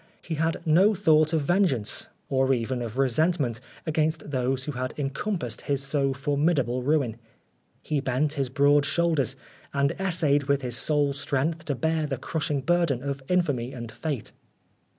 He had no thought of vengeance, or even of resentment, against those who had encom passed his so formidable ruin. He bent his broad shoulders, and essayed with his sole strength to bear the crushing burden of infamy and fate.